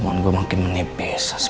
nanya udah pa artistan kesini udah tau